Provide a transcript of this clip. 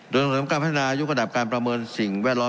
โดยเสริมการพัฒนายกระดับการประเมินสิ่งแวดล้อม